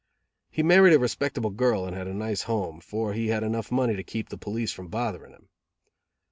He married a respectable girl and had a nice home, for he had enough money to keep the police from bothering him.